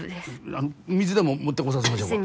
あっ水でも持ってこさせましょうか。